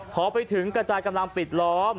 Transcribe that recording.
พอไปถึงกระจายกำลังปิดล้อม